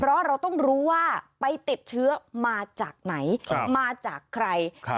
เพราะเราต้องรู้ว่าไปติดเชื้อมาจากไหนมาจากใคร